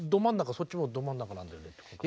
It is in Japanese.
そっちもど真ん中なんだよねっていうか。